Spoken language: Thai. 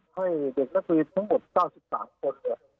ให้เด็กนักศึกษ์ทั้งหมด๙๓คน